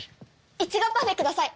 イチゴパフェください！